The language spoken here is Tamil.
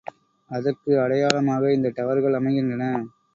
அதற்கு அடையாளமாக இந்த டவர்கள் அமைகின்றன.